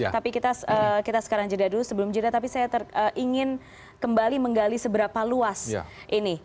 tapi kita sekarang jeda dulu sebelum jeda tapi saya ingin kembali menggali seberapa luas ini